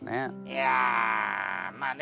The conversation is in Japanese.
いやまあね。